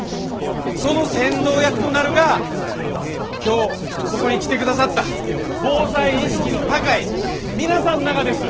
その先導役となるが今日ここに来てくださった防災意識の高い皆さんながです。